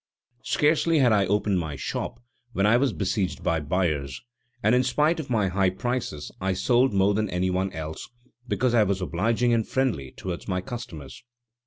Scarcely had I opened my shop when I was besieged by buyers, and in spite of my high prices I sold more than any one else, because I was obliging and friendly towards my customers.